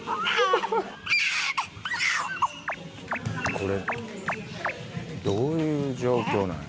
これ、どういう状況なんや。